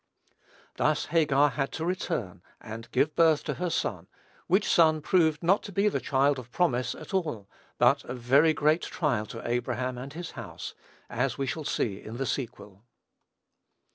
Thus Hagar had to return, and give birth to her son, which son proved to be not the child of promise at all, but a very great trial to Abraham and his house, as we shall see in the sequel.